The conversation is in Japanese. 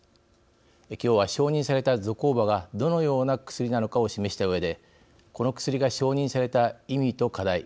今日は承認されたゾコーバがどのような薬なのかを示したうえでこの薬が承認された意味と課題